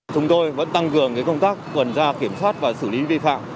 chúng tôi vẫn tăng cường công tác quần gia kiểm soát và xử lý vi phạm